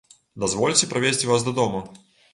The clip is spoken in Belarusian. Дазвольце правесці вас дадому.